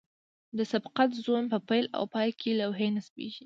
د سبقت زون په پیل او پای کې لوحې نصبیږي